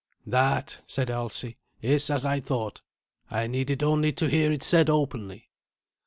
"That," said Alsi, "is as I thought. I needed only to hear it said openly.